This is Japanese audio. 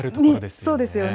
そうですよね。